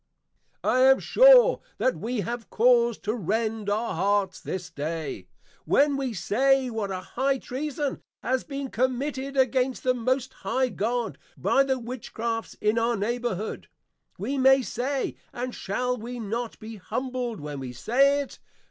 I am sure that we have cause to Rend our Hearts this Day, when we see what an High Treason has been committed against the most high God, by the Witchcrafts in our Neighbourhood. We may say; and shall we not be humbled when we say it?